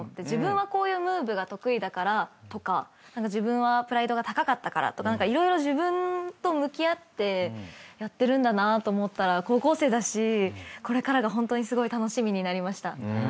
自分はこういうムーブが得意だからとか自分はプライドが高かったからとか色々自分と向き合ってやってるんだなと思ったら高校生だしこれからがホントにすごい楽しみになりました。